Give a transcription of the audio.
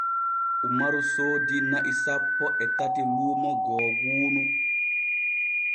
Umaru soodi na'i sanpo e tati luumo googuunu.